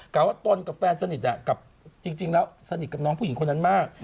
่าว่าตนกับแฟนสนิทกับจริงแล้วสนิทกับน้องผู้หญิงคนนั้นมาก